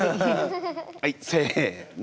はいせの！